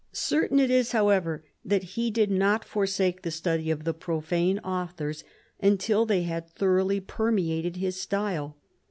Certain it is, however, that he did not forsake the study of the profane authors, until they had thoroughly per meated his style.